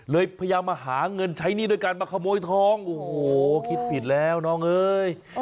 พยายามมาหาเงินใช้หนี้ด้วยการมาขโมยทองโอ้โหคิดผิดแล้วน้องเอ้ย